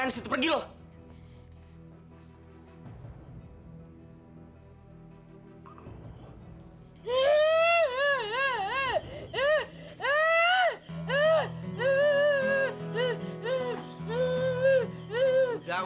sekali lagi lo berani kayak gitu sama gue